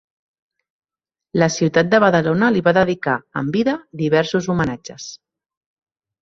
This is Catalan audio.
La ciutat de Badalona li va dedicar, en vida, diversos homenatges.